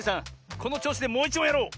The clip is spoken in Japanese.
このちょうしでもういちもんやろう！